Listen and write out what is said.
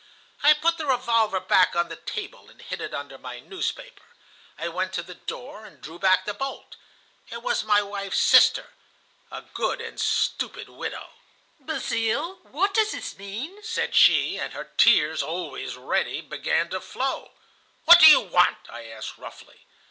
"I put the revolver back on the table, and hid it under my newspaper. I went to the door and drew back the bolt. "It was my wife's sister,—a good and stupid widow. "'Basile, what does this mean?' said she, and her tears, always ready, began to flow. "'What do you want?' I asked roughly.